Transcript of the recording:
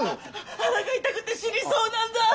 腹が痛くて死にそうなんだ！